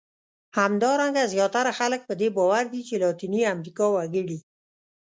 همدارنګه زیاتره خلک په دې باور دي چې لاتیني امریکا وګړي.